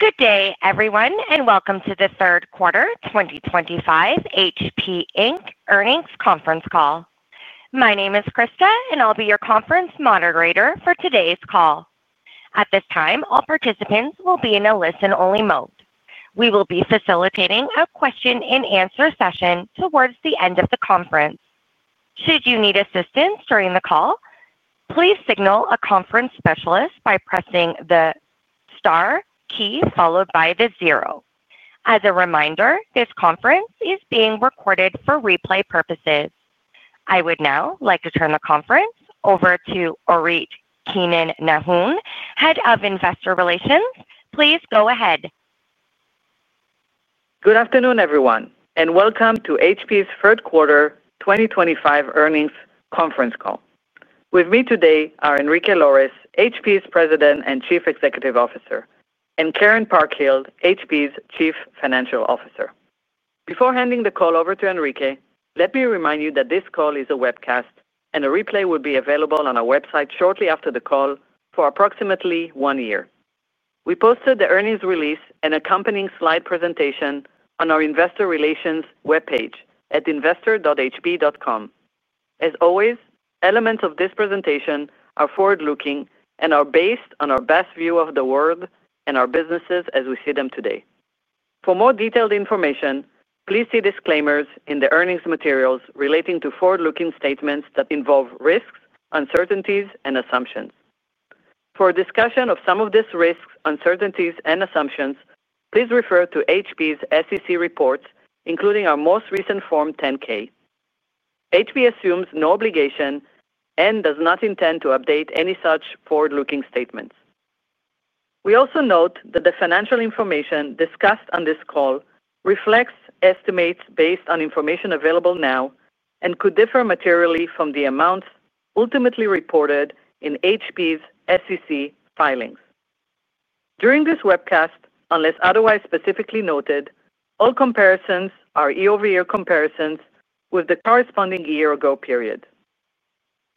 Good day, everyone, and welcome to the Third Quarter 2025 HP Inc. Earnings Conference Call. My name is Krista, and I'll be your conference moderator for today's call. At this time, all participants will be in a listen-only mode. We will be facilitating a question-and-answer session towards the end of the conference. Should you need assistance during the call, please signal a conference specialist by pressing the star key followed by the zero. As a reminder, this conference is being recorded for replay purposes. I would now like to turn the conference over to Orit Keinan-Nahon, Head of Investor Relations. Please go ahead. Good afternoon, everyone, and welcome to HP's Third Quarter 2025 Earnings Conference Call. With me today are Enrique Lores, HP's President and Chief Executive Officer, and Karen Parkhill, HP's Chief Financial Officer. Before handing the call over to Enrique, let me remind you that this call is a webcast and a replay will be available on our website shortly after the call for approximately one year. We posted the earnings release and accompanying slide presentation on our Investor Relations webpage at investor.hp.com. As always, elements of this presentation are forward-looking and are based on our best view of the world and our businesses as we see them today. For more detailed information, please see disclaimers in the earnings materials relating to forward-looking statements that involve risks, uncertainties, and assumptions. For a discussion of some of these risks, uncertainties, and assumptions, please refer to HP's SEC reports, including our most recent Form 10-K. HP assumes no obligation and does not intend to update any such forward-looking statements. We also note that the financial information discussed on this call reflects estimates based on information available now and could differ materially from the amounts ultimately reported in HP's SEC filings. During this webcast, unless otherwise specifically noted, all comparisons are year-over-year comparisons with the corresponding year-ago period.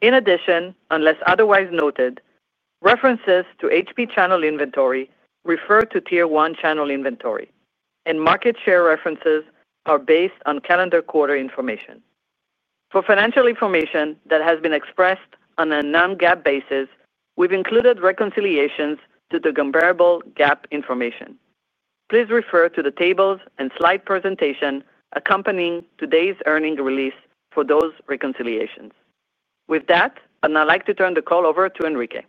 In addition, unless otherwise noted, references to HP channel inventory refer to tier one channel inventory, and market share references are based on calendar quarter information. For financial information that has been expressed on a non-GAAP basis, we've included reconciliations to the comparable GAAP information. Please refer to the tables and slide presentation accompanying today's earnings release for those reconciliations. With that, I'd now like to turn the call over to Enrique.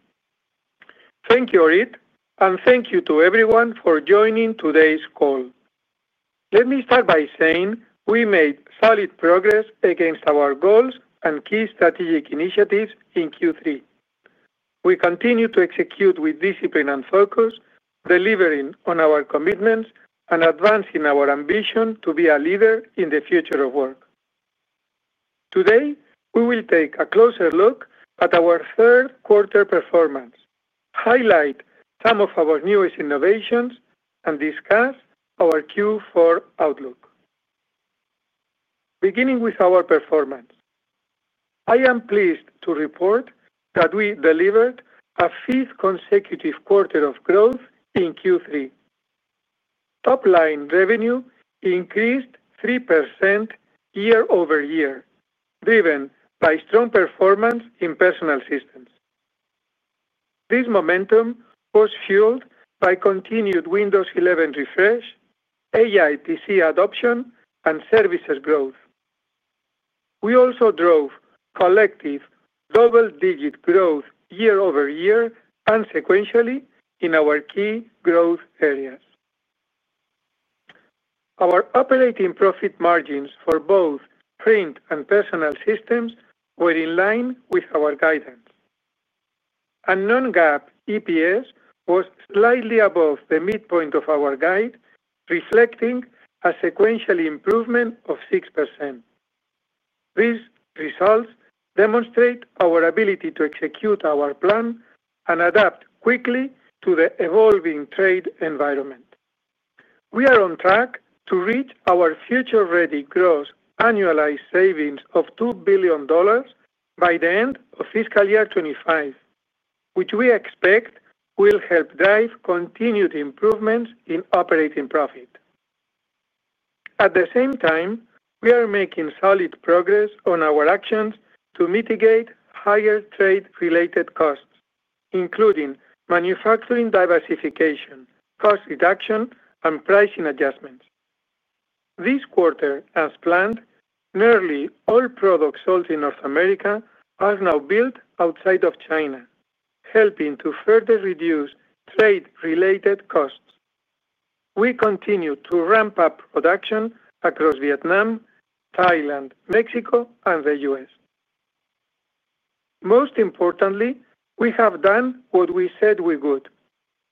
Thank you, Orit, and thank you to everyone for joining today's call. Let me start by saying we made solid progress against our goals and key strategic initiatives in Q3. We continue to execute with discipline and focus, delivering on our commitments and advancing our ambition to be a leader in the future of work. Today, we will take a closer look at our third quarter performance, highlight some of our newest innovations, and discuss our Q4 outlook. Beginning with our performance, I am pleased to report that we delivered a fifth consecutive quarter of growth in Q3. Top-line revenue increased 3% year-over-year, driven by strong performance in personal systems. This momentum was fueled by continued Windows 11 refresh, AITC adoption, and services growth. We also drove collective double-digit growth year-over-year and sequentially in our key growth areas. Our operating profit margins for both print and personal systems were in line with our guidance. A non-GAAP EPS was slightly above the midpoint of our guide, reflecting a sequential improvement of 6%. These results demonstrate our ability to execute our plan and adapt quickly to the evolving trade environment. We are on track to reach our future-ready gross annualized savings of $2 billion by the end of fiscal year 2025, which we expect will help drive continued improvements in operating profit. At the same time, we are making solid progress on our actions to mitigate higher trade-related costs, including manufacturing diversification, cost reduction, and pricing adjustments. This quarter, as planned, nearly all products sold in North America are now built outside of China, helping to further reduce trade-related costs. We continue to ramp up production across Vietnam, Thailand, Mexico, and the U.S. Most importantly, we have done what we said we would.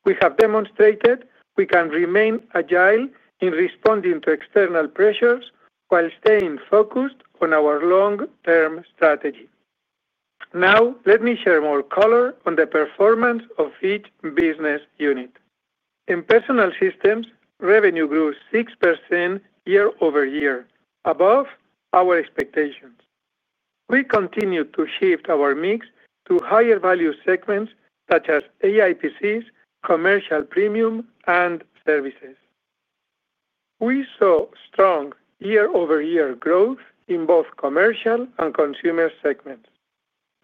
We have demonstrated we can remain agile in responding to external pressures while staying focused on our long-term strategy. Now, let me share more color on the performance of each business unit. In personal systems, revenue grew 6% year-over-year, above our expectations. We continue to shift our mix to higher-value segments such as AITCs, commercial premium, and services. We saw strong year-over-year growth in both commercial and consumer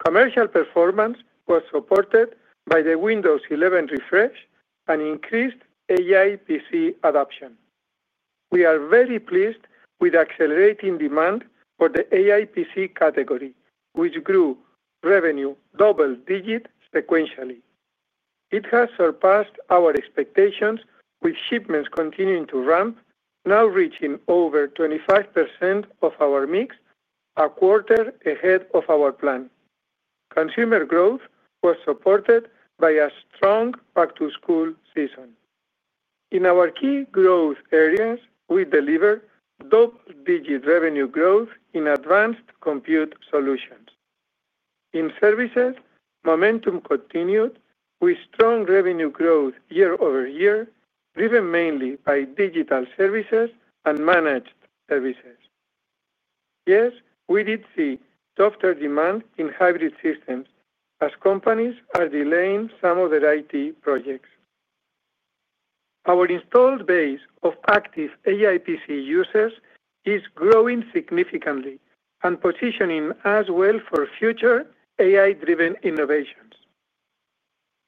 segments. Commercial performance was supported by the Windows 11 refresh and increased AITC adoption. We are very pleased with accelerating demand for the AITC category, which grew revenue double-digit sequentially. It has surpassed our expectations with shipments continuing to ramp, now reaching over 25% of our mix, a quarter ahead of our plan. Consumer growth was supported by a strong back-to-school season. In our key growth areas, we delivered double-digit revenue growth in advanced compute solutions. In services, momentum continued with strong revenue growth year-over-year, driven mainly by digital and managed services. Yes, we did see softer demand in hybrid systems as companies are delaying some of their IT projects. Our installed base of active AITC users is growing significantly and positioning as well for future AI-driven innovations.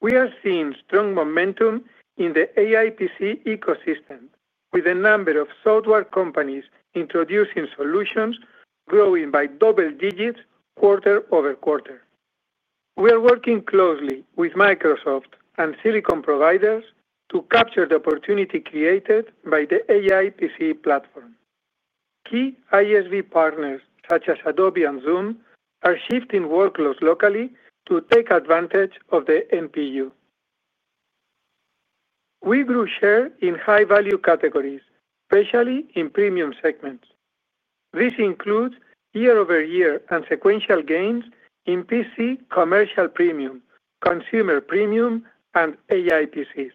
We are seeing strong momentum in the AITC ecosystem, with a number of software companies introducing solutions growing by double digits quarter-over-quarter. We are working closely with Microsoft and silicon providers to capture the opportunity created by the AITC platform. Key ISV partners such as Adobe and Zoom are shifting workloads locally to take advantage of the NPU. We grew share in high-value categories, especially in premium segments. This includes year-over-year and sequential gains in PC commercial premium, consumer premium, and AITCs.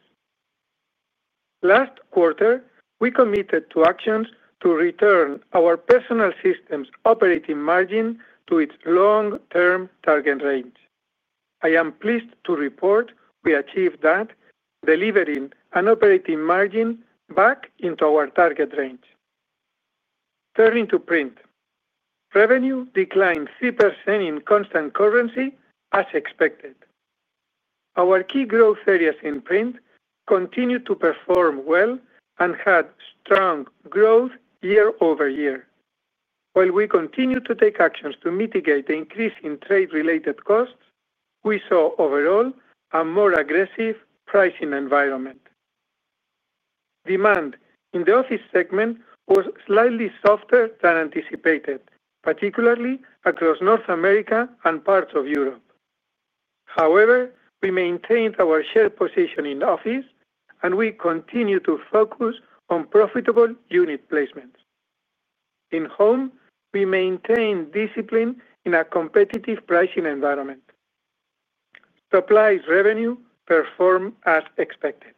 Last quarter, we committed to actions to return our personal systems operating margin to its long-term target range. I am pleased to report we achieved that, delivering an operating margin back into our target range. Turning to print, revenue declined 3% in constant currency as expected. Our key growth areas in print continue to perform well and had strong growth year-over-year. While we continue to take actions to mitigate the increase in tariff-related costs, we saw overall a more aggressive pricing environment. Demand in the office segment was slightly softer than anticipated, particularly across North America and parts of Europe. However, we maintained our share position in office, and we continue to focus on profitable unit placements. In home, we maintained discipline in a competitive pricing environment. Supplies revenue performed as expected.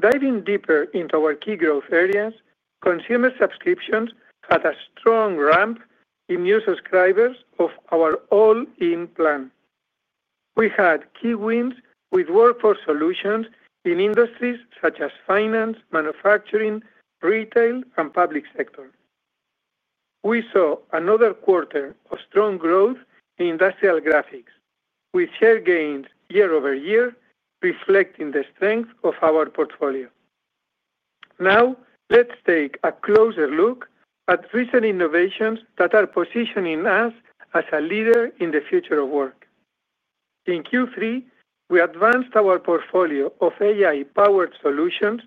Diving deeper into our key growth areas, consumer subscriptions had a strong ramp in new subscribers of our all-in plan. We had key wins with workforce solutions in industries such as finance, manufacturing, retail, and public sector. We saw another quarter of strong growth in industrial graphics, with share gains year-over-year reflecting the strength of our portfolio. Now, let's take a closer look at recent innovations that are positioning us as a leader in the future of work. In Q3, we advanced our portfolio of AI-powered solutions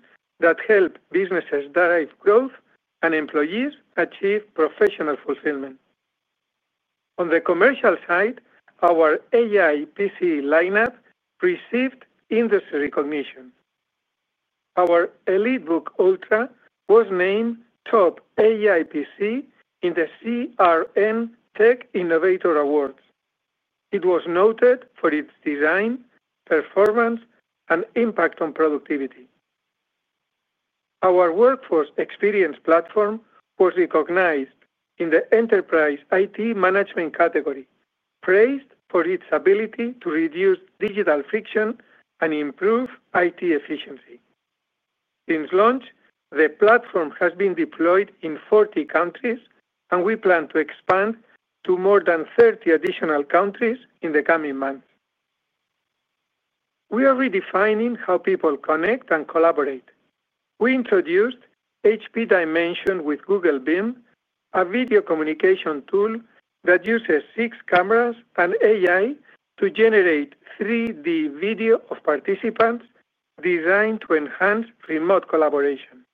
that help businesses drive growth and employees achieve professional fulfillment. On the commercial side, our AITC lineup received industry recognition. Our EliteBook Ultra was named top AITC in the CRN Tech Innovator Awards. It was noted for its design, performance, and impact on productivity. Our Workforce Experience Platform was recognized in the Enterprise IT Management category, praised for its ability to reduce digital friction and improve IT efficiency. Since launch, the platform has been deployed in 40 countries, and we plan to expand to more than 30 additional countries in the coming months. We are redefining how people connect and collaborate. We introduced HP Dimension with Google Bing, a video communication tool that uses six cameras and AI to generate 3D video of participants, designed to enhance remote collaboration.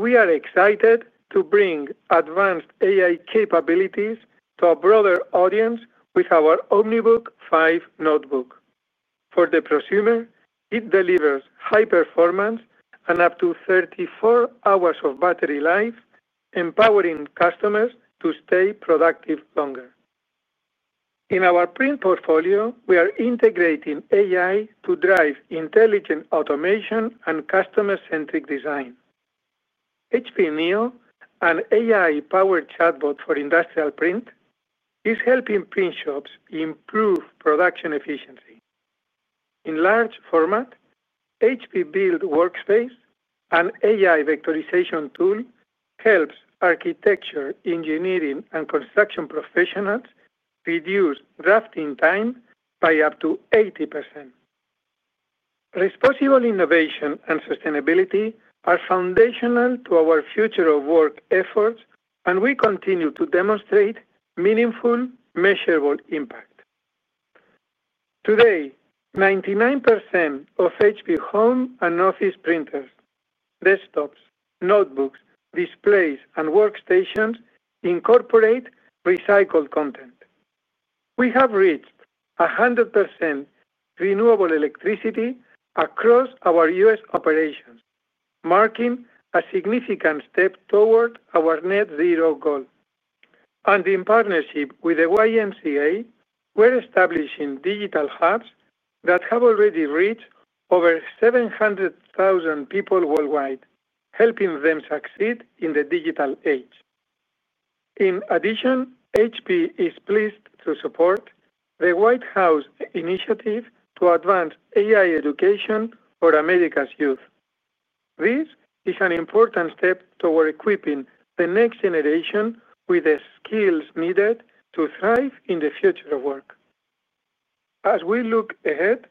We are excited to bring advanced AI capabilities to a broader audience with our OmniBook 5 notebook. For the prosumer, it delivers high performance and up to 34 hours of battery life, empowering customers to stay productive longer. In our print portfolio, we are integrating AI to drive intelligent automation and customer-centric design. HP Neo, an AI-powered chatbot for industrial print, is helping print shops improve production efficiency. In large format, HP Build Workspace, an AI vectorization tool, helps architecture, engineering, and construction professionals reduce drafting time by up to 80%. Responsible innovation and sustainability are foundational to our future of work efforts, and we continue to demonstrate meaningful, measurable impact. Today, 99% of HP home and office printers, desktops, notebooks, displays, and workstations incorporate recycled content. We have reached 100% renewable electricity across our U.S. operations, marking a significant step toward our net zero goal. In partnership with the YMCA, we're establishing digital hubs that have already reached over 700,000 people worldwide, helping them succeed in the digital age. In addition, HP is pleased to support the White House initiative to advance AI education for America's youth. This is an important step toward equipping the next generation with the skills needed to thrive in the future of work. As we look ahead,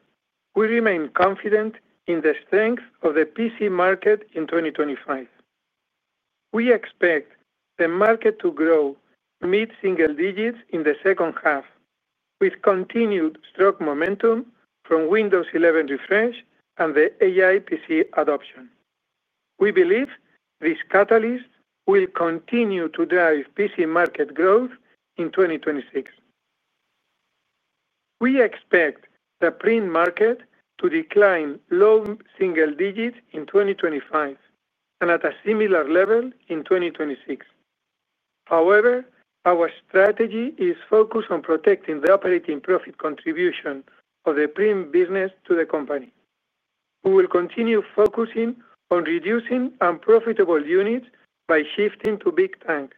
we remain confident in the strength of the PC market in 2025. We expect the market to grow mid-single digits in the second half, with continued strong momentum from Windows 11 refresh and the AITC adoption. We believe this catalyst will continue to drive PC market growth in 2026. We expect the print market to decline low single digits in 2025 and at a similar level in 2026. However, our strategy is focused on protecting the operating profit contribution of the print business to the company. We will continue focusing on reducing unprofitable units by shifting to big tank,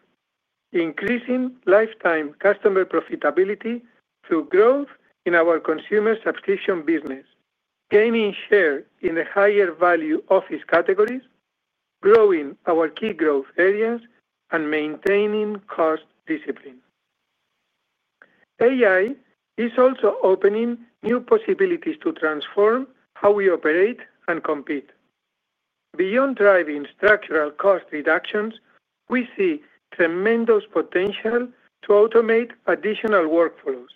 increasing lifetime customer profitability through growth in our consumer subscription business, gaining share in the higher-value office categories, growing our key growth areas, and maintaining cost discipline. AI is also opening new possibilities to transform how we operate and compete. Beyond driving structural cost reductions, we see tremendous potential to automate additional workflows,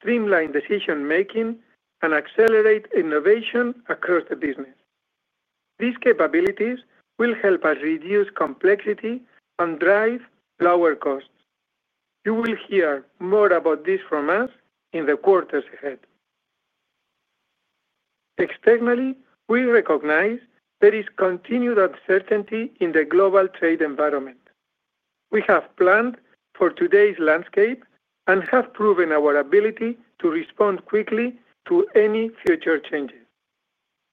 streamline decision-making, and accelerate innovation across the business. These capabilities will help us reduce complexity and drive lower costs. You will hear more about this from us in the quarters ahead. Externally, we recognize there is continued uncertainty in the global trade environment. We have planned for today's landscape and have proven our ability to respond quickly to any future changes.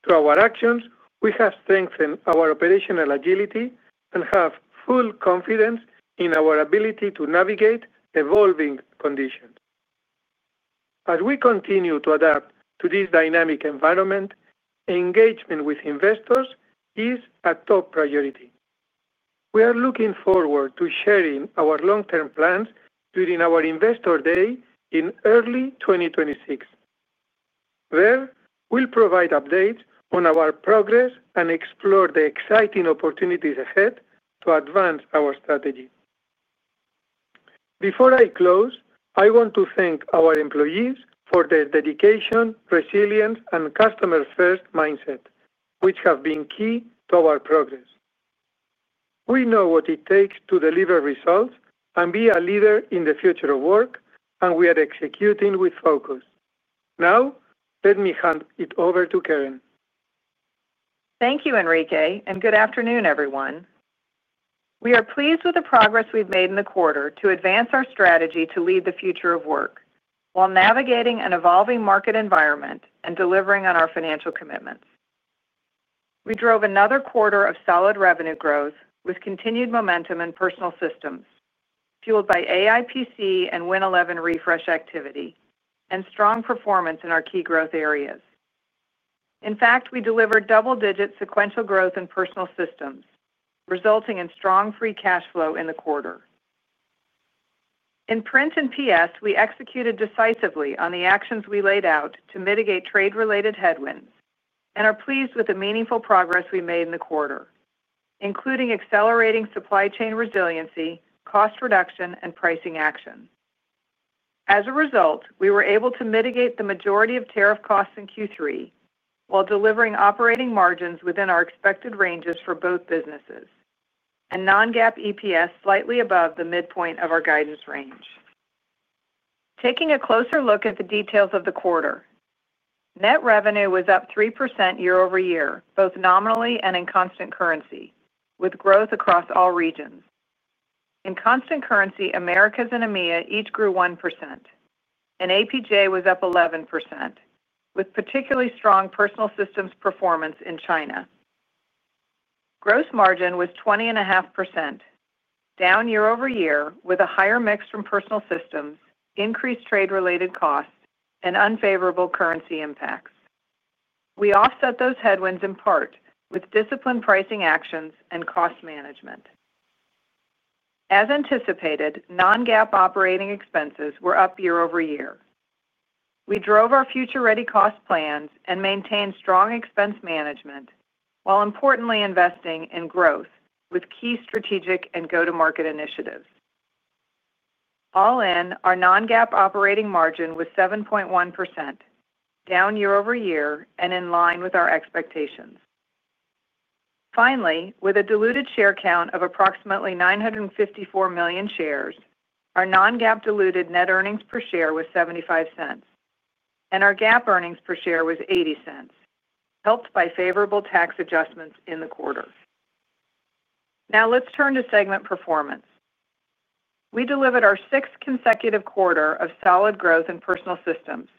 Through our actions, we have strengthened our operational agility and have full confidence in our ability to navigate evolving conditions. As we continue to adapt to this dynamic environment, engagement with investors is a top priority. We are looking forward to sharing our long-term plans during our Investor Day in early 2026. There, we'll provide updates on our progress and explore the exciting opportunities ahead to advance our strategy. Before I close, I want to thank our employees for their dedication, resilience, and customer-first mindset, which have been key to our progress. We know what it takes to deliver results and be a leader in the future of work, and we are executing with focus. Now, let me hand it over to Karen. Thank you, Enrique, and good afternoon, everyone. We are pleased with the progress we've made in the quarter to advance our strategy to lead the future of work while navigating an evolving market environment and delivering on our financial commitments. We drove another quarter of solid revenue growth with continued momentum in personal systems, fueled by AITC and Windows 11 refresh activity and strong performance in our key growth areas. In fact, we delivered double-digit sequential growth in personal systems, resulting in strong free cash flow in the quarter. In print and PS, we executed decisively on the actions we laid out to mitigate trade-related headwinds and are pleased with the meaningful progress we made in the quarter, including accelerating supply chain resiliency, cost reduction, and pricing action. As a result, we were able to mitigate the majority of tariff-related costs in Q3 while delivering operating margins within our expected ranges for both businesses and non-GAAP EPS slightly above the midpoint of our guidance range. Taking a closer look at the details of the quarter, net revenue was up 3% year-over-year, both nominally and in constant currency, with growth across all regions. In constant currency, Americas and EMEA each grew 1%, and APJ was up 11%, with particularly strong personal systems performance in China. Gross margin was 20.5%, down year-over-year with a higher mix from personal systems, increased trade-related costs, and unfavorable currency impacts. We offset those headwinds in part with disciplined pricing actions and cost management. As anticipated, non-GAAP operating expenses were up year-over-year. We drove our future-ready cost plans and maintained strong expense management while importantly investing in growth with key strategic and go-to-market initiatives. All in, our non-GAAP operating margin was 7.1%, down year-over-year and in line with our expectations. Finally, with a diluted share count of approximately 954 million shares, our non-GAAP diluted net earnings per share was $0.75, and our GAAP earnings per share was $0.80, helped by favorable tax adjustments in the quarter. Now, let's turn to segment performance. We delivered our sixth consecutive quarter of solid growth in personal systems,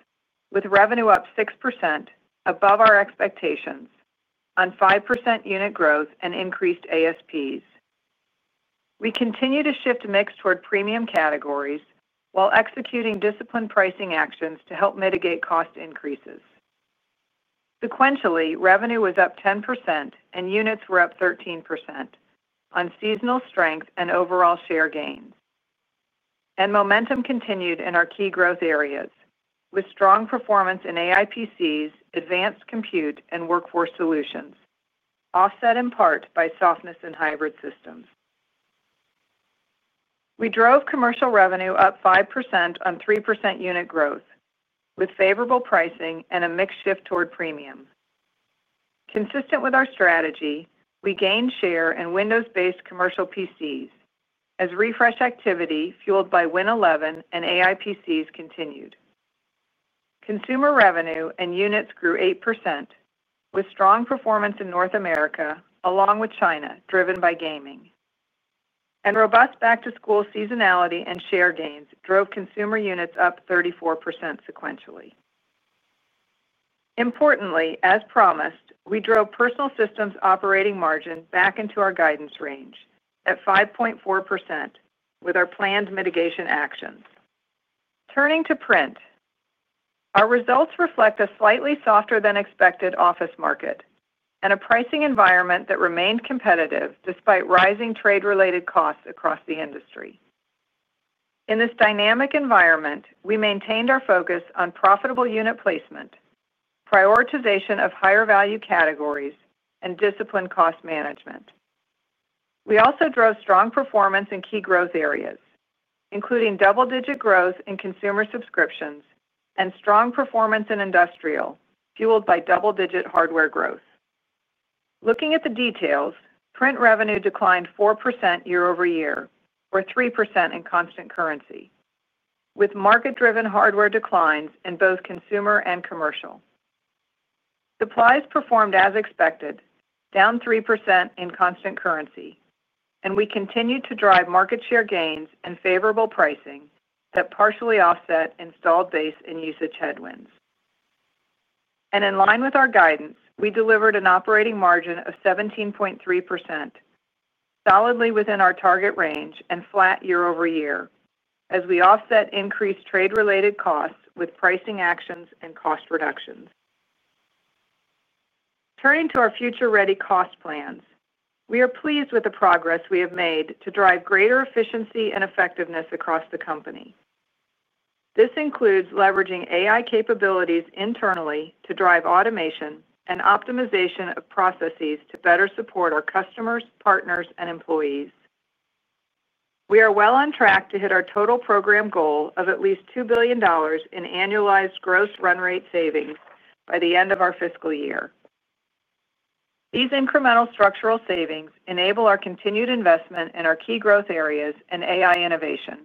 with revenue up 6%, above our expectations, on 5% unit growth and increased ASPs. We continue to shift mix toward premium categories while executing disciplined pricing actions to help mitigate cost increases. Sequentially, revenue was up 10% and units were up 13% on seasonal strength and overall share gains. Momentum continued in our key growth areas with strong performance in AITCs, advanced compute, and workforce solutions, offset in part by softness in hybrid systems. We drove commercial revenue up 5% on 3% unit growth, with favorable pricing and a mix shift toward premium. Consistent with our strategy, we gained share in Windows-based commercial PCs, as refresh activity fueled by Windows 11 and AITCs continued. Consumer revenue and units grew 8%, with strong performance in North America, along with China, driven by gaming. Robust back-to-school seasonality and share gains drove consumer units up 34% sequentially. Importantly, as promised, we drove personal systems operating margin back into our guidance range at 5.4% with our planned mitigation actions. Turning to print, our results reflect a slightly softer than expected office market and a pricing environment that remained competitive despite rising trade-related costs across the industry. In this dynamic environment, we maintained our focus on profitable unit placement, prioritization of higher-value categories, and disciplined cost management. We also drove strong performance in key growth areas, including double-digit growth in consumer subscriptions and strong performance in industrial, fueled by double-digit hardware growth. Looking at the details, print revenue declined 4% year-over-year, or 3% in constant currency, with market-driven hardware declines in both consumer and commercial. Supplies performed as expected, down 3% in constant currency, and we continued to drive market share gains and favorable pricing that partially offset installed base and usage headwinds. In line with our guidance, we delivered an operating margin of 17.3%, solidly within our target range and flat year-over-year, as we offset increased trade-related costs with pricing actions and cost reductions. Turning to our future-ready cost plans, we are pleased with the progress we have made to drive greater efficiency and effectiveness across the company. This includes leveraging AI capabilities internally to drive automation and optimization of processes to better support our customers, partners, and employees. We are well on track to hit our total program goal of at least $2 billion in annualized gross run-rate savings by the end of our fiscal year. These incremental structural savings enable our continued investment in our key growth areas and AI innovation,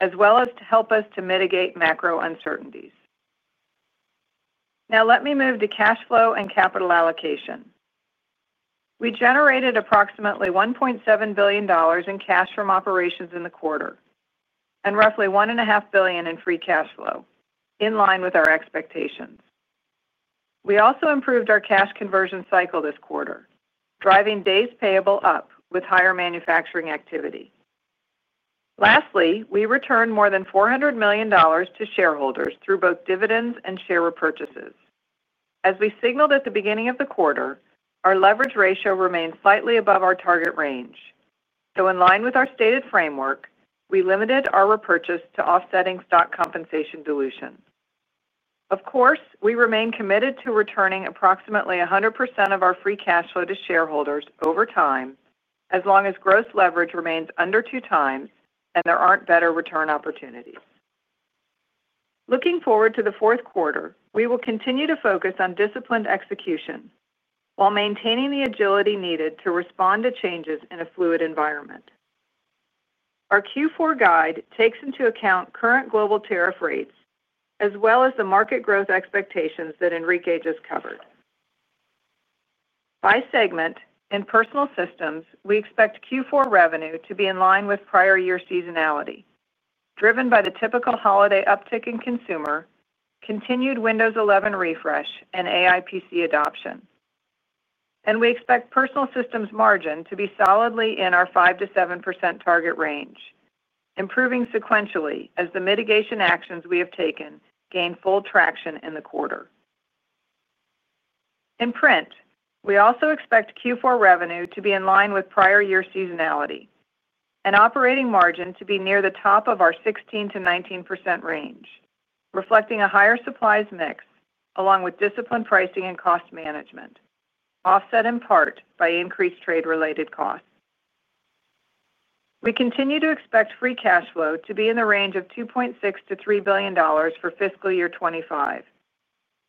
as well as to help us to mitigate macro uncertainties. Now, let me move to cash flow and capital allocation. We generated approximately $1.7 billion in cash from operations in the quarter and roughly $1.5 billion in free cash flow, in line with our expectations. We also improved our cash conversion cycle this quarter, driving days payable up with higher manufacturing activity. Lastly, we returned more than $400 million to shareholders through both dividends and share repurchases. As we signaled at the beginning of the quarter, our leverage ratio remains slightly above our target range. Though in line with our stated framework, we limited our repurchase to offsetting stock compensation dilutions. Of course, we remain committed to returning approximately 100% of our free cash flow to shareholders over time, as long as gross leverage remains under 2x and there aren't better return opportunities. Looking forward to the fourth quarter, we will continue to focus on disciplined execution while maintaining the agility needed to respond to changes in a fluid environment. Our Q4 guide takes into account current global tariff rates, as well as the market growth expectations that Enrique just covered. By segment, in personal systems, we expect Q4 revenue to be in line with prior year seasonality, driven by the typical holiday uptick in consumer, continued Windows 11 refresh, and AITC adoption. We expect personal systems margin to be solidly in our 5%-7% target range, improving sequentially as the mitigation actions we have taken gain full traction in the quarter. In print, we also expect Q4 revenue to be in line with prior year seasonality and operating margin to be near the top of our 16%-19% range, reflecting a higher supplies mix along with disciplined pricing and cost management, offset in part by increased trade-related costs. We continue to expect free cash flow to be in the range of $2.6 billion-$3 billion for fiscal year 2025,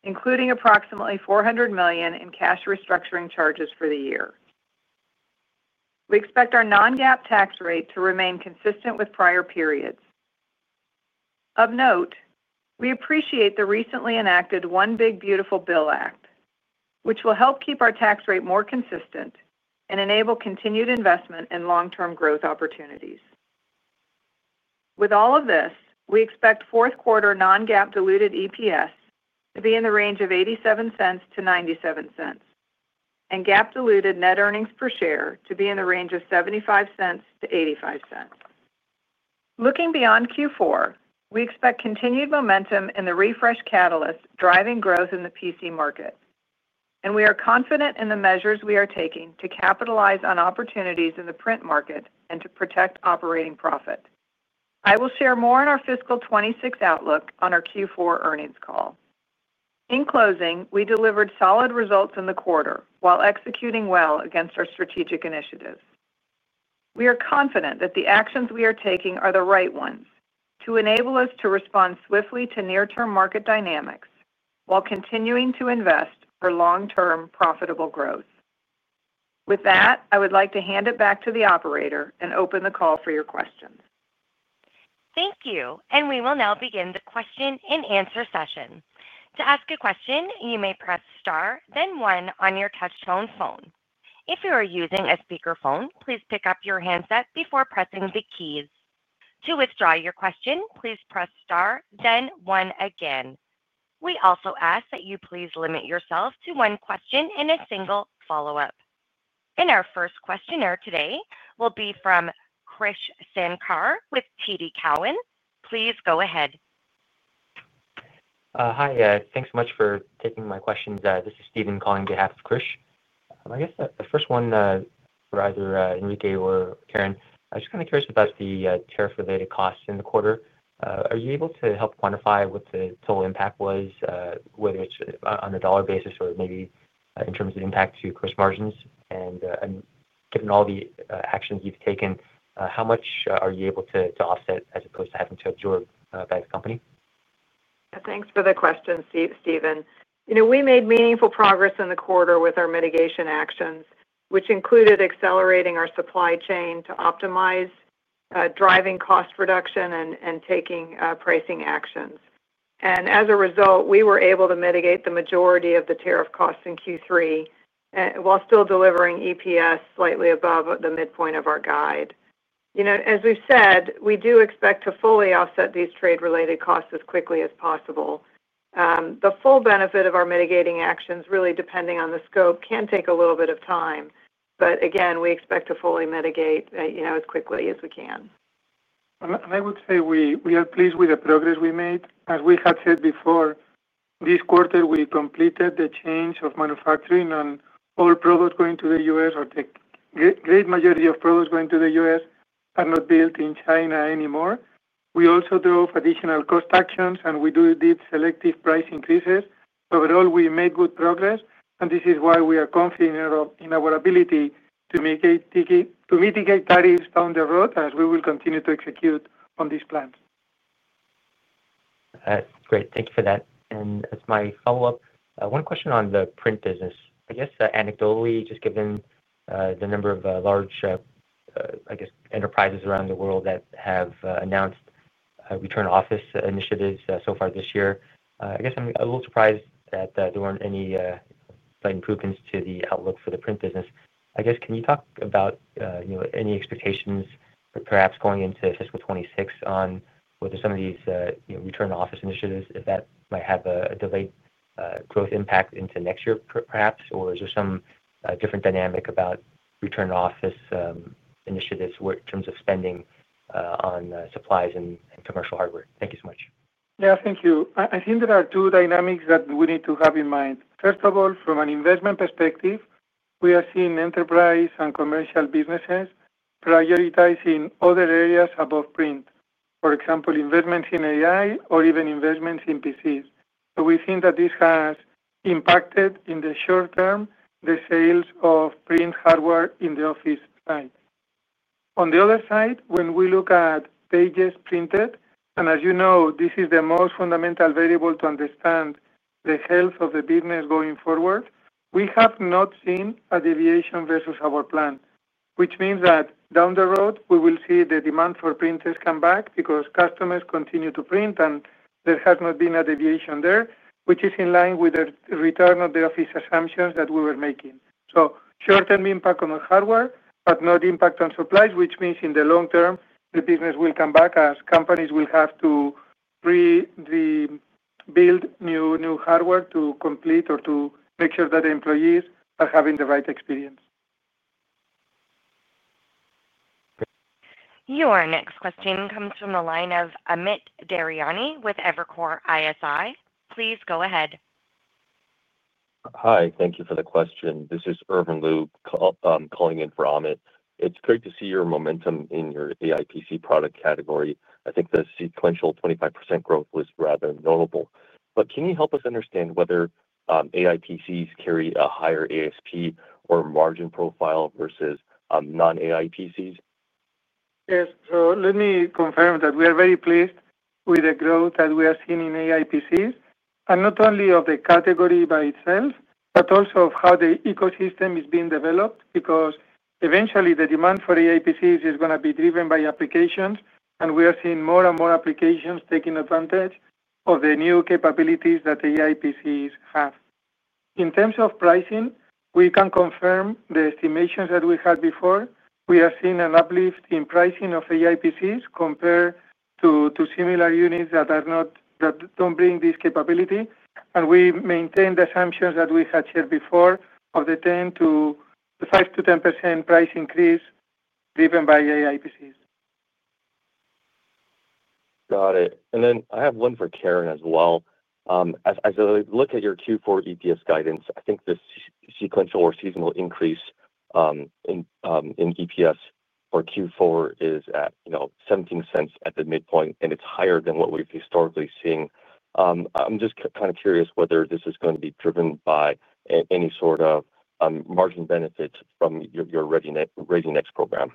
including approximately $400 million in cash restructuring charges for the year. We expect our non-GAAP tax rate to remain consistent with prior periods. Of note, we appreciate the recently enacted One Big Beautiful Bill Act, which will help keep our tax rate more consistent and enable continued investment and long-term growth opportunities. With all of this, we expect fourth quarter non-GAAP diluted EPS to be in the range of $0.87-$0.97, and GAAP diluted net earnings per share to be in the range of $0.75-$0.85. Looking beyond Q4, we expect continued momentum in the refresh catalyst driving growth in the PC market, and we are confident in the measures we are taking to capitalize on opportunities in the print market and to protect operating profit. I will share more in our fiscal 2026 outlook on our Q4 Earnings Call. In closing, we delivered solid results in the quarter while executing well against our strategic initiatives. We are confident that the actions we are taking are the right ones to enable us to respond swiftly to near-term market dynamics while continuing to invest for long-term profitable growth. With that, I would like to hand it back to the operator and open the call for your questions. Thank you. We will now begin the question-and-answer session. To ask a question, you may press star, then one on your touch-tone phone. If you are using a speaker phone, please pick up your handset before pressing the keys. To withdraw your question, please press star, then one again. We also ask that you please limit yourself to one question and a single follow-up. Our first questioner today will be from Krish Sankar with TD Cowen. Please go ahead. Hi, thanks so much for taking my questions. This is Steven calling on behalf of Krish. I guess the first one, for either Enrique or Karen, I'm just kind of curious about the tariff-related costs in the quarter. Are you able to help quantify what the total impact was, whether it's on a dollar basis or maybe in terms of the impact to closed margins? Given all the actions you've taken, how much are you able to offset as opposed to having to absorb by the company? Thanks for the question, Steven. You know, we made meaningful progress in the quarter with our mitigation actions, which included accelerating our supply chain to optimize, driving cost reduction, and taking pricing actions. As a result, we were able to mitigate the majority of the tariff-related costs in Q3 while still delivering EPS slightly above the midpoint of our guide. You know, as we've said, we do expect to fully offset these trade-related costs as quickly as possible. The full benefit of our mitigating actions, really depending on the scope, can take a little bit of time. Again, we expect to fully mitigate as quickly as we can. I would say we are pleased with the progress we made. As we have said before, this quarter, we completed the change of manufacturing, and all products going to the U.S., or the great majority of products going to the U.S., are not built in China anymore. We also drove additional cost actions, and we did selective price increases. Overall, we made good progress, which is why we are confident in our ability to mitigate tariffs down the road, as we will continue to execute on these plans. Great. Thank you for that. As my follow-up, one question on the print business. I guess anecdotally, just given the number of large enterprises around the world that have announced return office initiatives so far this year, I'm a little surprised that there weren't any slight improvements to the outlook for the print business. Can you talk about any expectations for perhaps going into fiscal 2026 on whether some of these return office initiatives, if that might have a delayed growth impact into next year, perhaps, or is there some different dynamic about return office initiatives in terms of spending on supplies and commercial hardware? Thank you so much. Yeah, thank you. I think there are two dynamics that we need to have in mind. First of all, from an investment perspective, we are seeing enterprise and commercial businesses prioritizing other areas above print. For example, investments in AI or even investments in PCs. We think that this has impacted in the short term the sales of print hardware in the office side. On the other side, when we look at pages printed, and as you know, this is the most fundamental variable to understand the health of the business going forward, we have not seen a deviation versus our plan, which means that down the road, we will see the demand for printers come back because customers continue to print and there has not been a deviation there, which is in line with the return of the office assumptions that we were making. Short-term impact on the hardware, but not impact on supplies, which means in the long term, the business will come back as companies will have to rebuild new hardware to complete or to make sure that the employees are having the right experience. Your next question comes from the line of Amit Daryanani with Evercore ISI. Please go ahead. Hi, thank you for the question. This is Irvin Liu calling in from Amit. It's great to see your momentum in your AITC product category. I think the sequential 25% growth was rather notable. Can you help us understand whether AITCs carry a higher ASP or margin profile versus non-AITCs? Yes, let me confirm that we are very pleased with the growth that we are seeing in AITCs, and not only of the category by itself, but also of how the ecosystem is being developed because eventually the demand for AITCs is going to be driven by applications, and we are seeing more and more applications taking advantage of the new capabilities that AITCs have. In terms of pricing, we can confirm the estimations that we had before. We are seeing an uplift in pricing of AITCs compared to similar units that don't bring this capability, and we maintain the assumptions that we had shared before of the 5%-10% price increase driven by AITCs. Got it. I have one for Karen as well. As I look at your Q4 EPS guidance, I think this sequential or seasonal increase in EPS for Q4 is at $0.17 at the midpoint, and it's higher than what we've historically seen. I'm just kind of curious whether this is going to be driven by any sort of margin benefit from your ReadyNext program.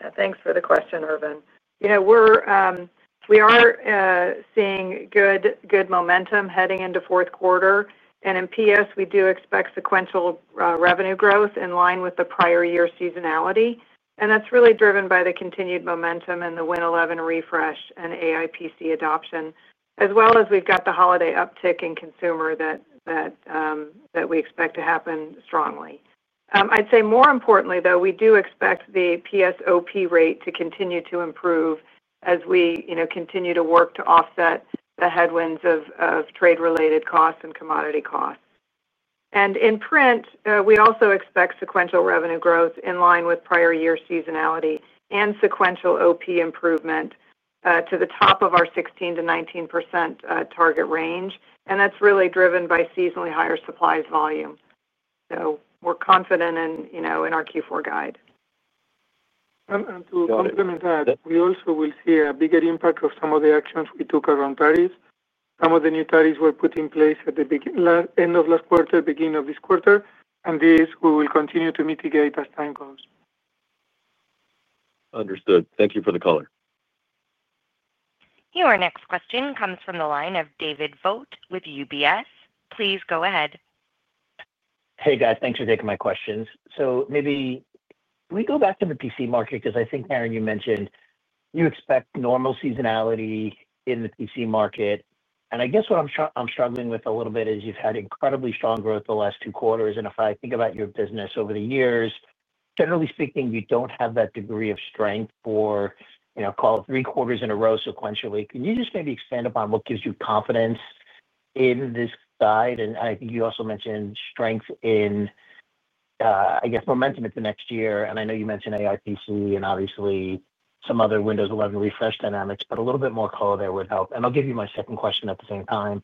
Yeah, thanks for the question, Irvin. You know, we are seeing good momentum heading into fourth quarter, and in PS, we do expect sequential revenue growth in line with the prior year seasonality, and that's really driven by the continued momentum in the Windows 11 refresh and AITC adoption, as well as we've got the holiday uptick in consumer that we expect to happen strongly. I'd say more importantly, though, we do expect the PS OP rate to continue to improve as we continue to work to offset the headwinds of trade-related costs and commodity costs. In print, we also expect sequential revenue growth in line with prior year seasonality and sequential OP improvement to the top of our 16%-19% target range, and that's really driven by seasonally higher supplies volume. We're confident in our Q4 guide. To complement that, we also will see a bigger impact of some of the actions we took around tariffs. Some of the new tariffs were put in place at the end of last quarter, beginning of this quarter, and these we will continue to mitigate as time goes. Understood. Thank you for the caller. Your next question comes from the line of David Vogt with UBS. Please go ahead. Hey, guys, thanks for taking my questions. Maybe can we go back to the PC market? I think, Karen, you mentioned you expect normal seasonality in the PC market. I guess what I'm struggling with a little bit is you've had incredibly strong growth the last two quarters. If I think about your business over the years, generally speaking, you don't have that degree of strength for, you know, call it three quarters in a row sequentially. Can you just maybe expand upon what gives you confidence in this guide? I think you also mentioned strength in, I guess, momentum at the next year. I know you mentioned AITC and obviously some other Windows 11 refresh dynamics, but a little bit more color there would help. I'll give you my second question at the same time.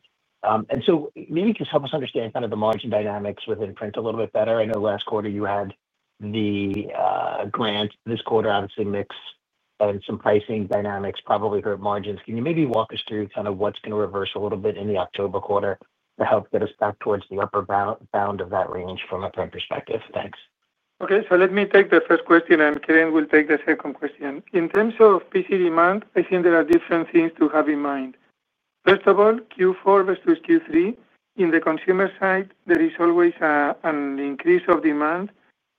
Maybe you can help us understand kind of the margin dynamics within print a little bit better. I know last quarter you had the grant. This quarter, obviously, mixed some pricing dynamics, probably hurt margins. Can you maybe walk us through kind of what's going to reverse a little bit in the October quarter to help get us back towards the upper bound of that range from a print perspective? Thanks. Okay, let me take the first question, and Karen will take the second question. In terms of PC demand, I think there are different things to have in mind. First of all, Q4 versus Q3, on the consumer side, there is always an increase of demand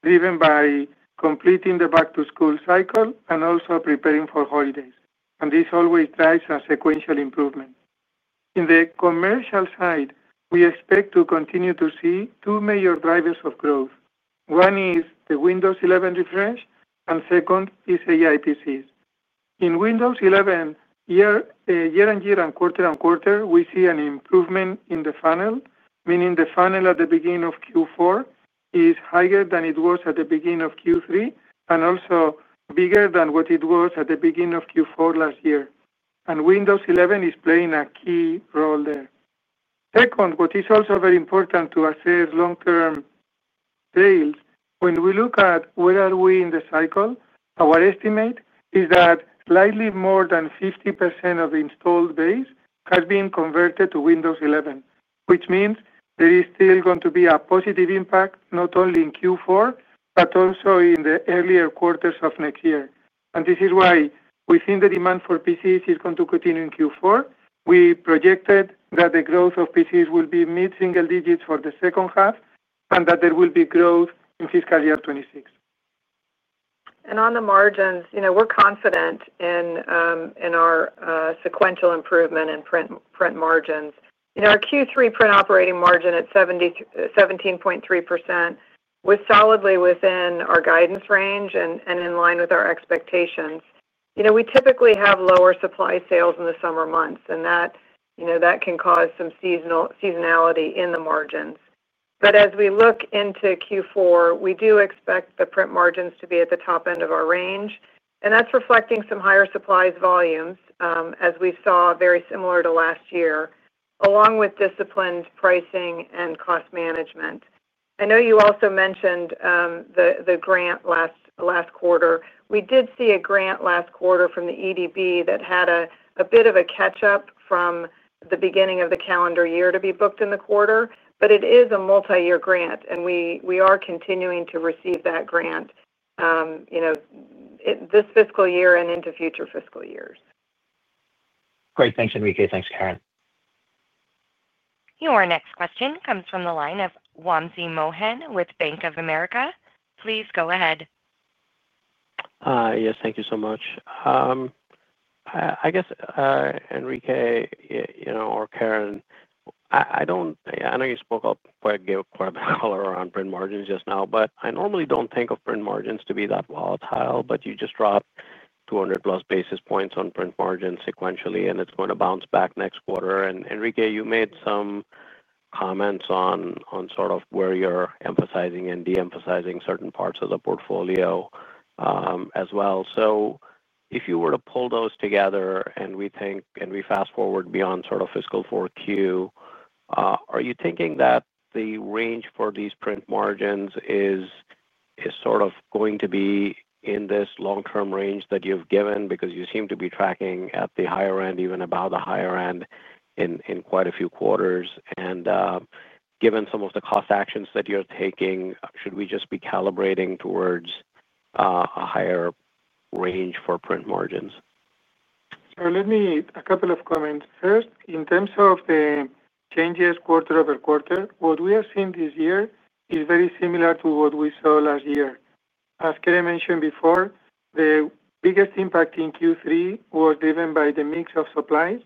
driven by completing the back-to-school cycle and also preparing for holidays. This always drives a sequential improvement. On the commercial side, we expect to continue to see two major drivers of growth. One is the Windows 11 refresh, and the second is AITCs. In Windows 11, year-on -year and quarter-on-quarter, we see an improvement in the funnel, meaning the funnel at the beginning of Q4 is higher than it was at the beginning of Q3 and also bigger than what it was at the beginning of Q4 last year. Windows 11 is playing a key role there. What is also very important to assess long-term sales when we look at where we are in the cycle, our estimate is that slightly more than 50% of the installed base has been converted to Windows 11, which means there is still going to be a positive impact not only in Q4, but also in the earlier quarters of next year. This is why we think the demand for PCs is going to continue in Q4. We projected that the growth of PCs will be mid-single digits for the second half and that there will be growth in fiscal year 2026. On the margins, we're confident in our sequential improvement in print margins. Our Q3 print operating margin at 17.3% was solidly within our guidance range and in line with our expectations. We typically have lower supply sales in the summer months, and that can cause some seasonality in the margins. As we look into Q4, we do expect the print margins to be at the top end of our range, and that's reflecting some higher supplies volumes, as we saw very similar to last year, along with disciplined pricing and cost management. I know you also mentioned the grant last quarter. We did see a grant last quarter from the EDB that had a bit of a catch-up from the beginning of the calendar year to be booked in the quarter, but it is a multi-year grant, and we are continuing to receive that grant this fiscal year and into future fiscal years. Great, thanks, Enrique. Thanks, Karen. Your next question comes from the line of Wamsi Mohan with Bank of America. Please go ahead. Yes, thank you so much. I guess, Enrique, you know, or Karen, I know you spoke up, but I gave a part of the color around print margins just now. I normally don't think of print margins to be that volatile, but you just drop 200+ basis points on print margins sequentially, and it's going to bounce back next quarter. Enrique, you made some comments on where you're emphasizing and de-emphasizing certain parts of the portfolio as well. If you were to pull those together and we fast forward beyond fiscal 4Q, are you thinking that the range for these print margins is going to be in this long-term range that you've given? You seem to be tracking at the higher end, even above the higher end in quite a few quarters. Given some of the cost actions that you're taking, should we just be calibrating towards a higher range for print margins? Let me make a couple of comments. First, in terms of the changes quarter-over-quarter, what we are seeing this year is very similar to what we saw last year. As Karen mentioned before, the biggest impact in Q3 was driven by the mix of supplies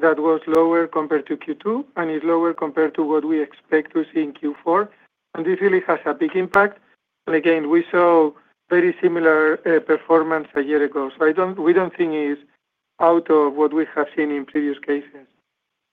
that was lower compared to Q2 and is lower compared to what we expect to see in Q4. This really has a big impact. We saw very similar performance a year ago. We don't think it's out of what we have seen in previous cases.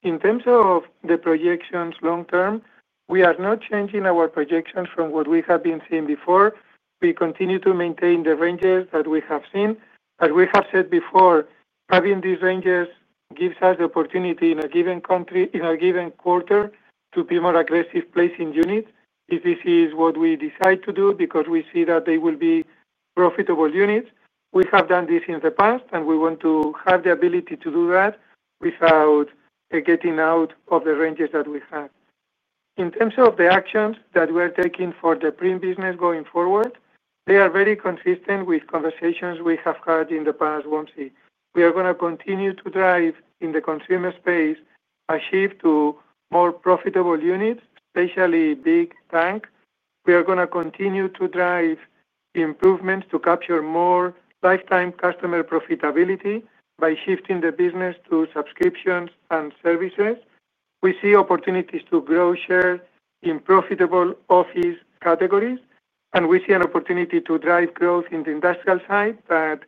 In terms of the projections long term, we are not changing our projections from what we have been seeing before. We continue to maintain the ranges that we have seen. As we have said before, having these ranges gives us the opportunity in a given country, in a given quarter, to be more aggressive placing units if this is what we decide to do because we see that they will be profitable units. We have done this in the past, and we want to have the ability to do that without getting out of the ranges that we have. In terms of the actions that we're taking for the print business going forward, they are very consistent with conversations we have had in the past, Wamsi. We are going to continue to drive in the consumer space a shift to more profitable units, especially big tank. We are going to continue to drive improvements to capture more lifetime customer profitability by shifting the business to subscriptions and services. We see opportunities to grow share in profitable office categories, and we see an opportunity to drive growth in the industrial side that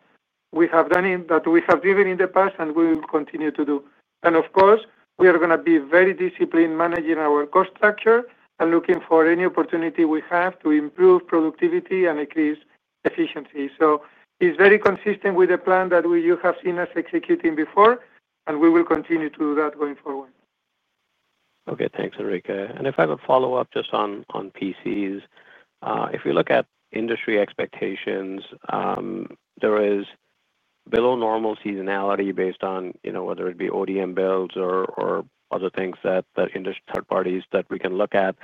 we have done in, that we have driven in the past and we will continue to do. Of course, we are going to be very disciplined managing our cost structure and looking for any opportunity we have to improve productivity and increase efficiency. It is very consistent with the plan that you have seen us executing before, and we will continue to do that going forward. Okay, thanks, Enrique. If I have a follow-up just on PCs, if we look at industry expectations, there is below normal seasonality based on, you know, whether it be ODM builds or other things that industry third parties that we can look at,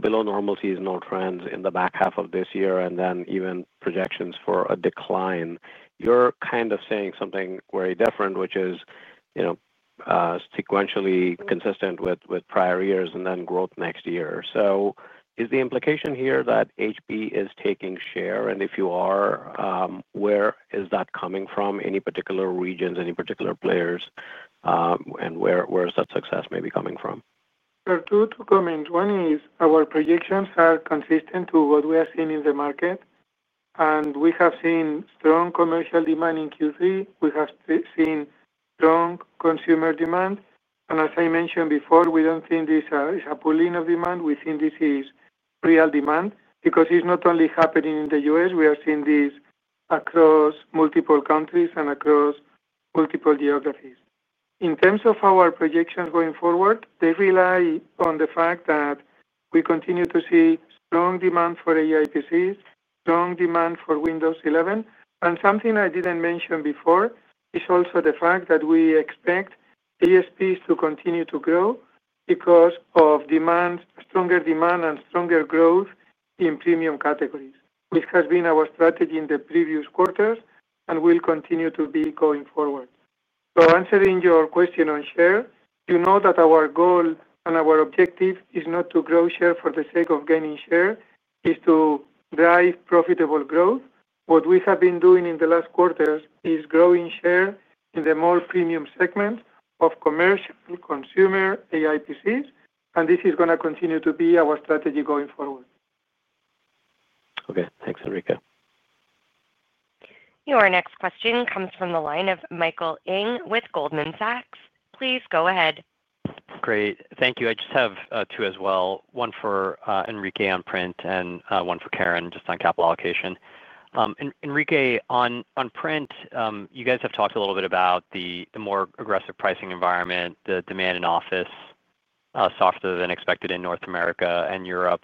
below normal seasonal trends in the back half of this year and then even projections for a decline. You're kind of saying something very different, which is, you know, sequentially consistent with prior years and then growth next year. Is the implication here that HP is taking share? If you are, where is that coming from? Any particular regions, any particular players, and where is that success maybe coming from? There are two comments. One is our projections are consistent with what we are seeing in the market, and we have seen strong commercial demand in Q3. We have seen strong consumer demand. As I mentioned before, we don't think this is a pooling of demand. We think this is real demand because it's not only happening in the U.S. We are seeing this across multiple countries and across multiple geographies. In terms of our projections going forward, they rely on the fact that we continue to see strong demand for AITCs, strong demand for Windows 11. Something I didn't mention before is also the fact that we expect ASPs to continue to grow because of stronger demand and stronger growth in premium categories, which has been our strategy in the previous quarters and will continue to be going forward. Answering your question on share, you know that our goal and our objective is not to grow share for the sake of gaining share, it's to drive profitable growth. What we have been doing in the last quarters is growing share in the more premium segments of commercial and consumer AITCs, and this is going to continue to be our strategy going forward. Thanks, Enrique. Your next question comes from the line of Michael Ng with Goldman Sachs. Please go ahead. Great, thank you. I just have two as well, one for Enrique on print and one for Karen just on capital allocation. Enrique, on print, you guys have talked a little bit about the more aggressive pricing environment, the demand in office softer than expected in North America and Europe.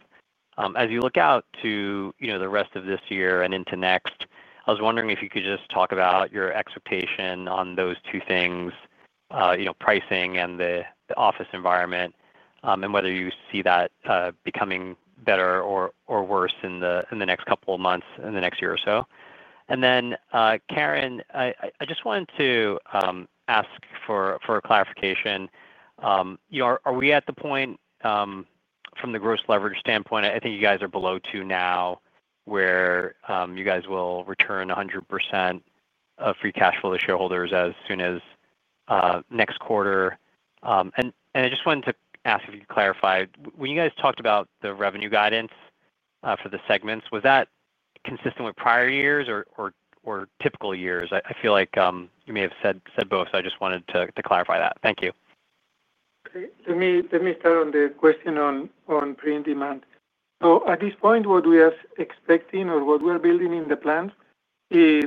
As you look out to the rest of this year and into next, I was wondering if you could just talk about your expectation on those two things, you know, pricing and the office environment, and whether you see that becoming better or worse in the next couple of months in the next year or so. Karen, I just wanted to ask for clarification. You know, are we at the point from the gross leverage standpoint, I think you guys are below two now where you guys will return 100% of free cash flow to shareholders as soon as next quarter. I just wanted to ask if you could clarify, when you guys talked about the revenue guidance for the segments, was that consistent with prior years or typical years? I feel like you may have said both, so I just wanted to clarify that. Thank you. Let me start on the question on print demand. At this point, what we are expecting or what we're building in the plans is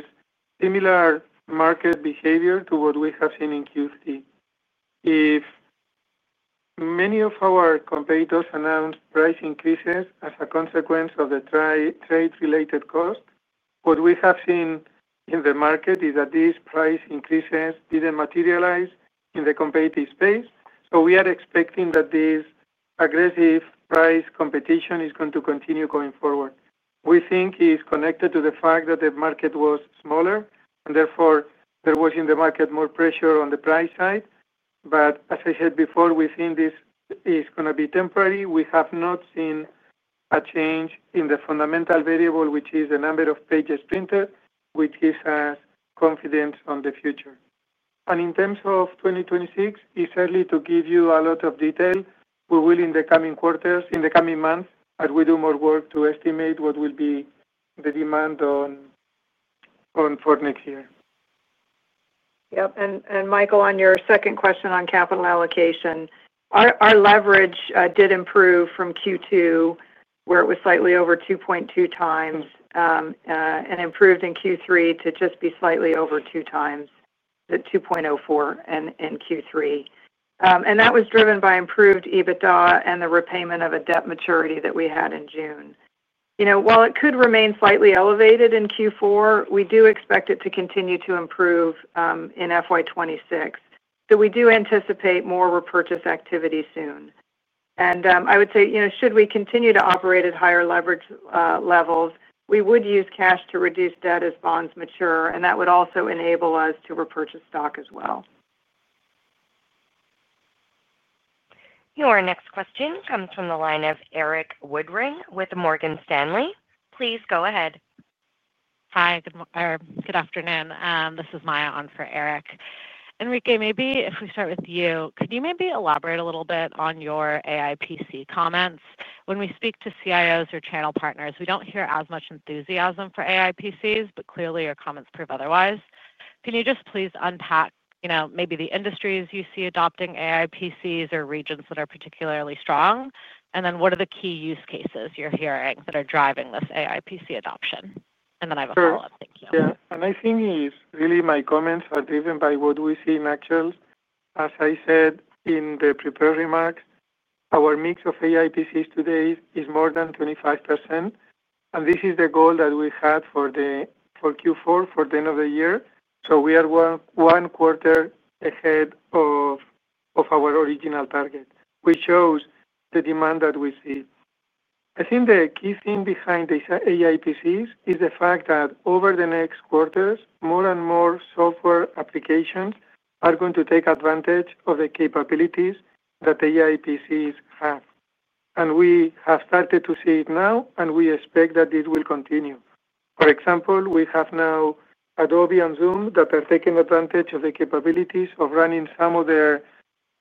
similar market behavior to what we have seen in Q3. If many of our competitors announce price increases as a consequence of the trade-related cost, what we have seen in the market is that these price increases didn't materialize in the competitive space. We are expecting that this aggressive price competition is going to continue going forward. We think it's connected to the fact that the market was smaller and therefore there was in the market more pressure on the price side. As I said before, we think this is going to be temporary. We have not seen a change in the fundamental variable, which is the number of pages printed, which is a confidence on the future. In terms of 2026, it's certainly to give you a lot of detail. We will in the coming quarters, in the coming months, as we do more work to estimate what will be the demand for next year. Yep, and Michael, on your second question on capital allocation, our leverage did improve from Q2, where it was slightly over 2.2x, and improved in Q3 to just be slightly over 2x, at 2.04x in Q3. That was driven by improved EBITDA and the repayment of a debt maturity that we had in June. While it could remain slightly elevated in Q4, we do expect it to continue to improve in FY2026. We do anticipate more repurchase activity soon. I would say, should we continue to operate at higher leverage levels, we would use cash to reduce debt as bonds mature, and that would also enable us to repurchase stock as well. Your next question comes from the line of Eric Woodring with Morgan Stanley. Please go ahead. Hi, good afternoon. This is Maya on for Eric. Enrique, maybe if we start with you, could you maybe elaborate a little bit on your AI PC comments? When we speak to CIOs or channel partners, we don't hear as much enthusiasm for AI PCs, but clearly your comments prove otherwise. Can you just please unpack, you know, maybe the industries you see adopting AI PCs or regions that are particularly strong? What are the key use cases you're hearing that are driving this AI PC adoption? I have a follow-up. Thank you. Yeah, I think really my comments are driven by what we see in actuals. As I said in the prepared remarks, our mix of AITCs today is more than 25%. This is the goal that we had for Q4 for the end of the year. We are one quarter ahead of our original target, which shows the demand that we see. I think the key thing behind these AITCs is the fact that over the next quarters, more and more software applications are going to take advantage of the capabilities that AITCs have. We have started to see it now, and we expect that this will continue. For example, we have now Adobe and Zoom that are taking advantage of the capabilities of running some of their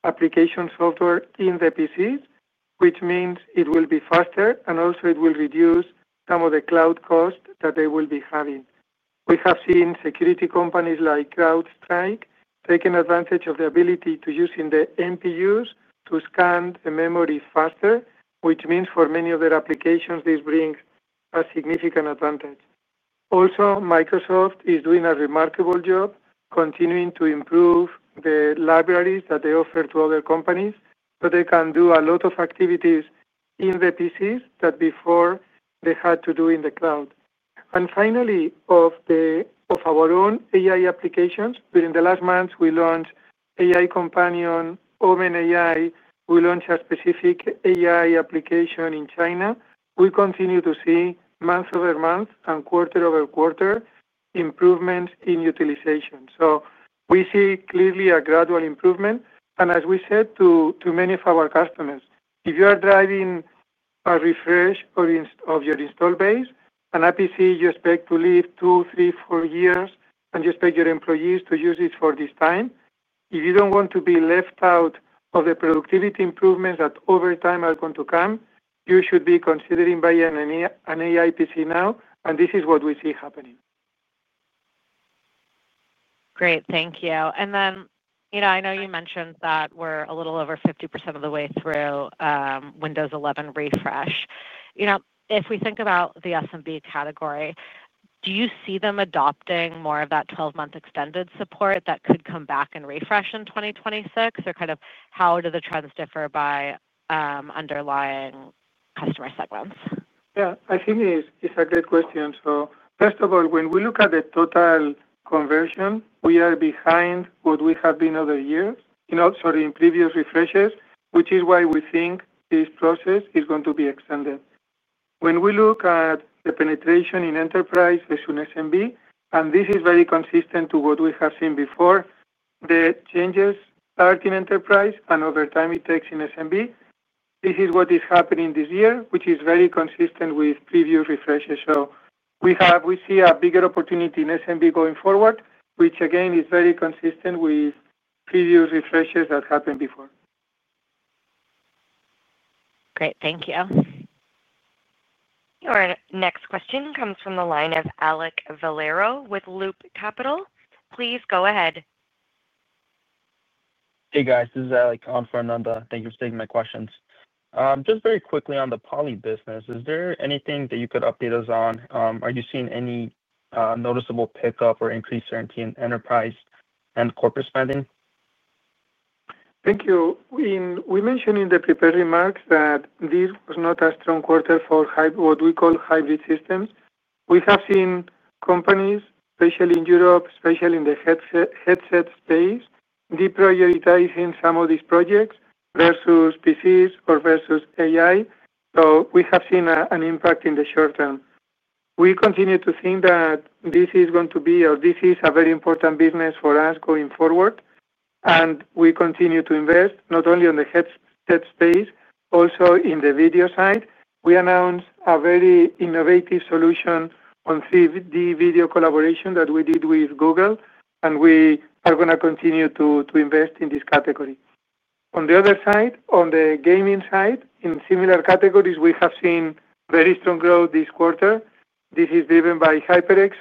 application software in the PCs, which means it will be faster, and also it will reduce some of the cloud costs that they will be having. We have seen security companies like CrowdStrike taking advantage of the ability to use the NPUs to scan the memory faster, which means for many of their applications, this brings a significant advantage. Also, Microsoft is doing a remarkable job continuing to improve the libraries that they offer to other companies so they can do a lot of activities in the PCs that before they had to do in the cloud. Finally, of our own AI applications, during the last months, we launched AI Companion, OpenAI. We launched a specific AI application in China. We continue to see month over month and quarter-over-quarter improvements in utilization. We see clearly a gradual improvement. As we said to many of our customers, if you are driving a refresh of your install base, an AITC you expect to live two, three, four years, and you expect your employees to use it for this time, if you don't want to be left out of the productivity improvements that over time are going to come, you should be considering buying an AITC now. This is what we see happening. Great, thank you. I know you mentioned that we're a little over 50% of the way through Windows 11 refresh. If we think about the SMB category, do you see them adopting more of that 12-month extended support that could come back and refresh in 2026? How do the trends differ by underlying customer segments? Yeah, I think it's a great question. First of all, when we look at the total conversion, we are behind what we have been over the years, in previous refreshes, which is why we think this process is going to be extended. When we look at the penetration in enterprise as soon as SMB, and this is very consistent to what we have seen before, the changes start in enterprise and over time it takes in SMB. This is what is happening this year, which is very consistent with previous refreshes. We see a bigger opportunity in SMB going forward, which again is very consistent with previous refreshes that happened before. Great, thank you. Your next question comes from the line of Alek Valero with Loop Capital. Please go ahead. Hey guys, this is Alek on for Ananda. Thank you for taking my questions. Just very quickly on the Poly business, is there anything that you could update us on? Are you seeing any noticeable pickup or increased certainty in enterprise and corporate spending? Thank you. We mentioned in the prepared remarks that this was not a strong quarter for what we call hybrid systems. We have seen companies, especially in Europe, especially in the headset space, deprioritizing some of these projects versus PCs or versus AI. We have seen an impact in the short term. We continue to think that this is going to be, or this is a very important business for us going forward. We continue to invest not only in the headset space, also in the video side. We announced a very innovative solution on 3D video collaboration that we did with Google, and we are going to continue to invest in this category. On the other side, on the gaming side, in similar categories, we have seen very strong growth this quarter. This is driven by HyperX.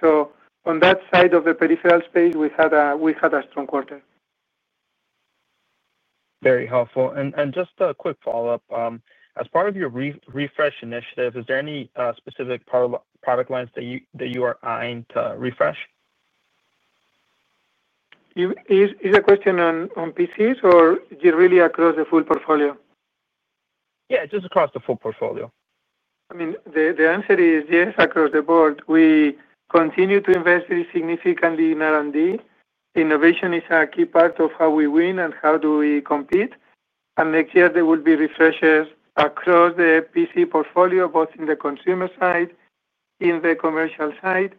On that side of the peripheral space, we had a strong quarter. Very helpful. Just a quick follow-up. As part of your refresh initiative, is there any specific product lines that you are eyeing to refresh? Is the question on PCs or just really across the full portfolio? Yeah, just across the full portfolio. I mean, the answer is yes, across the board. We continue to invest significantly in R&D. Innovation is a key part of how we win and how we compete. Next year, there will be refreshes across the PC portfolio, both in the consumer side, in the commercial side,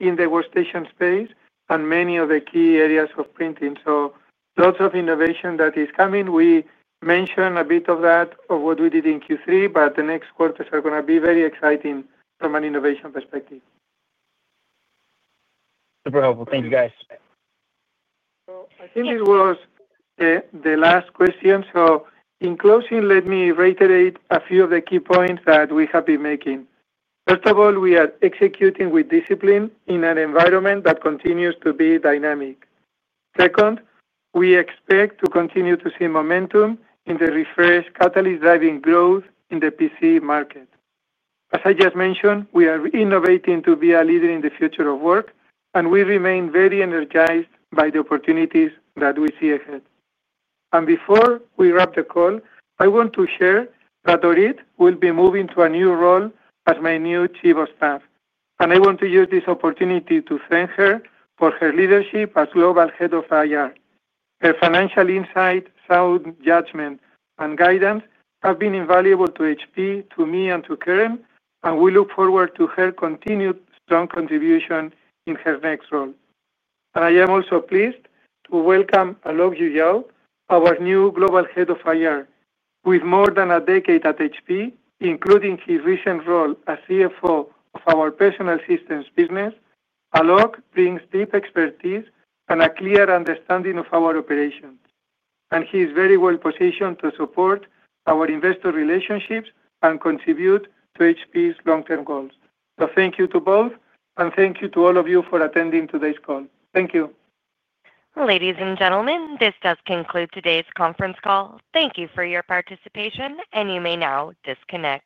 in the workstation space, and many of the key areas of printing. Lots of innovation is coming. We mentioned a bit of that, of what we did in Q3, but the next quarters are going to be very exciting from an innovation perspective. Super helpful. Thank you, guys. I think this was the last question. In closing, let me reiterate a few of the key points that we have been making. First of all, we are executing with discipline in an environment that continues to be dynamic. Second, we expect to continue to see momentum in the refresh catalyst driving growth in the PC market. As I just mentioned, we are innovating to be a leader in the future of work, and we remain very energized by the opportunities that we see ahead. Before we wrap the call, I want to share that Orit will be moving to a new role as my new Chief of Staff. I want to use this opportunity to thank her for her leadership as Global Head of IR. Her financial insight, sound judgment, and guidance have been invaluable to HP, to me, and to Karen. We look forward to her continued strong contribution in her next role. I am also pleased to welcome Alok Juyal, our new Global Head of IR. With more than a decade at HP, including his recent role as CFO of our Personal Systems business, Alok brings deep expertise and a clear understanding of our operations. He is very well positioned to support our investor relationships and contribute to HP's long-term goals. Thank you to both, and thank you to all of you for attending today's call. Thank you. Ladies and gentlemen, this does conclude today's conference call. Thank you for your participation, and you may now disconnect.